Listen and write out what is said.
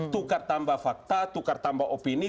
tukar tambah fakta tukar tambah opini